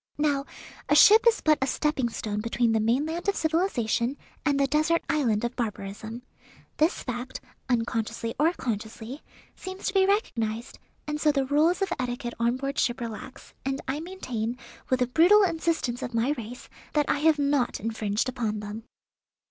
Now a ship is but a stepping stone between the mainland of civilization and the desert island of barbarism. This fact, unconsciously or consciously, seems to be recognized, and so the rules of etiquette on board ship relax, and I maintain, with the brutal insistance of my race, that I have not infringed upon them."